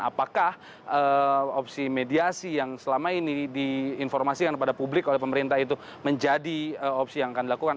apakah opsi mediasi yang selama ini diinformasikan kepada publik oleh pemerintah itu menjadi opsi yang akan dilakukan